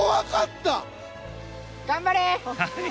頑張れ。